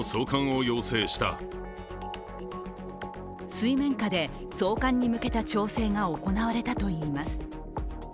水面下で送還に向けた調整が行われたといいます。